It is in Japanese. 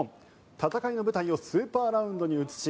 戦いの舞台をスーパーラウンドに移し